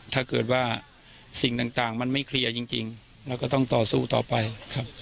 ถ้าเกิดว่าสิ่งต่างมันไม่เคลียร์จริงแล้วก็ต้องต่อสู้ต่อไปครับ